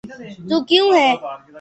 تو کیوں ہے؟